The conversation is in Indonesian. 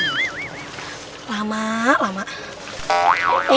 itu tuh kalau dapet dong